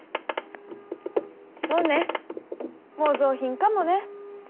そうね模造品かもね。